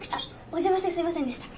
お邪魔してすいませんでした。